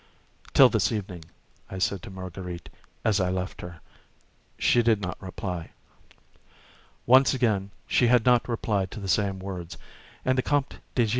"Till this evening!" I said to Marguerite, as I left her. She did not reply. Once already she had not replied to the same words, and the Comte de G.